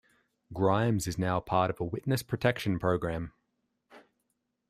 Grimes is now part of a witness protection program.